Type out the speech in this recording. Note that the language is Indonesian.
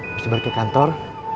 harus balik ke kantor